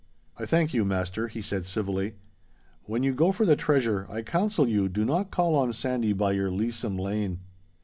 'I thank you, master,' he said civilly. 'When you go for the treasure, I counsel you do not call on Sandy by your leasome lane.